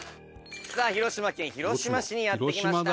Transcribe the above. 「さあ広島県広島市にやって来ました！」